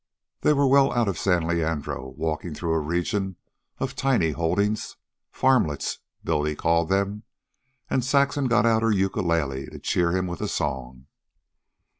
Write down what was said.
They were well out of San Leandro, walking through a region of tiny holdings "farmlets," Billy called them; and Saxon got out her ukulele to cheer him with a song.